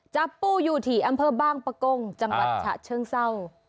จับปูอยู่ที่อำเภอบางปะกงจังหวัดฉะเชิงเศร้า